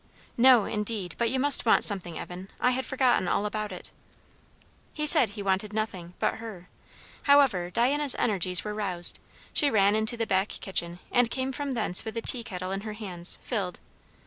"No indeed! But you must want something, Evan! I had forgotten all about it." He said he wanted nothing, but her; however, Diana's energies were roused. She ran into the back kitchen, and came from thence with the tea kettle in her hands, filled.